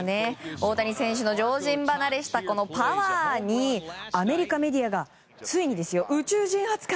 大谷選手の常人離れしたパワーにアメリカメディアがついに宇宙人扱い。